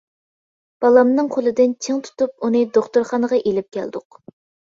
بالامنىڭ قولىدىن چىڭ تۇتۇپ ئۇنى دوختۇرخانىغا ئىلىپ كەلدۇق.